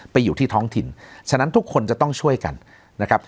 ไปอยู่ที่ท้องถิ่นฉะนั้นทุกคนจะต้องช่วยกันนะครับ